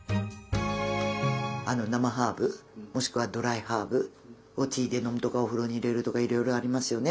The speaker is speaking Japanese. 生ハーブもしくはドライハーブをティーで飲むとかお風呂に入れるとかいろいろありますよね。